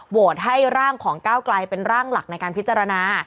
ให้ร่างของก้าวไกลเป็นร่างหลักในการพิจารณา